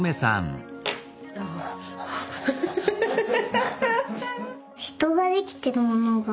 フフフフフフ。